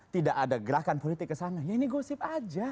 tidak ada gerakan politik kesana ya ini gosip aja